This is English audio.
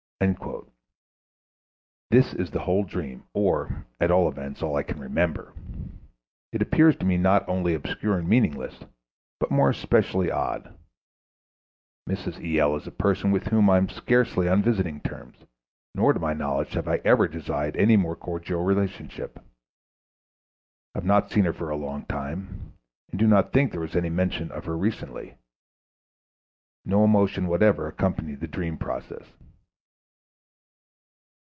"_ This is the whole dream, or, at all events, all that I can remember. It appears to me not only obscure and meaningless, but more especially odd. Mrs. E.L. is a person with whom I am scarcely on visiting terms, nor to my knowledge have I ever desired any more cordial relationship. I have not seen her for a long time, and do not think there was any mention of her recently. No emotion whatever accompanied the dream process.